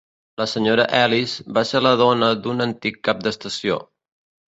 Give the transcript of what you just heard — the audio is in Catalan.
La senyora Ellis va ser la dona d'un antic cap d'estació.